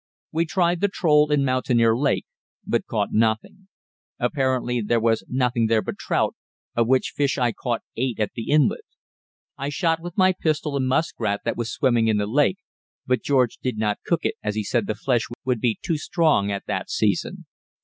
We tried the troll in Mountaineer Lake, but caught nothing. Apparently there was nothing there but trout, of which fish I caught eight at the inlet. I shot with my pistol a muskrat that was swimming in the lake, but George did not cook it, as he said the flesh would be too strong at that season.